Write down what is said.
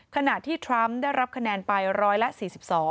ขณะที่ทรัมป์ได้รับคะแนนไป๑๔๒